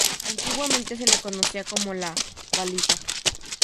Antiguamente se la conocía como "La Baliza".